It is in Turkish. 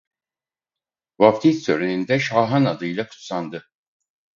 Vaftiz töreninde Şahan adıyla kutsandı.